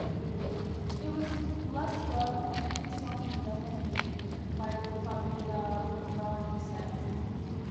"It was less work than any song he'd ever written," biographer Peter Guralnick says.